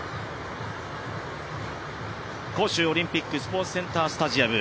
杭州オリンピックスポーツセンタースタジアム。